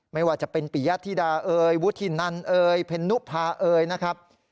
ไม่ว่าจะเป็นปิยะธิดาเอ่ยวุฒินันเอ่ยเพนุภาเอ๋ยนะครับ